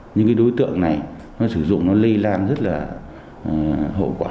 những cái đối tượng này nó sử dụng nó lây lan rất là hậu quả